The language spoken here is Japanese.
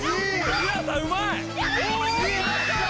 リラさんうまい！